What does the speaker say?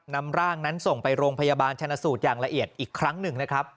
นำร่างนั้นส่งไปโรงพยาบาลชนะสูตรอย่างละเอียดอีกครั้งหนึ่งนะครับ